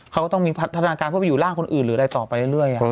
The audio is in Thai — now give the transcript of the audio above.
เขาก็ต้องมีพัฒนาการเพื่อไปอยู่ร่างคนอื่นหรืออะไรต่อไปเรื่อย